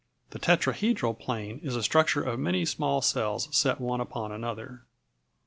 The tetrahedral plane is a structure of many small cells set one upon another.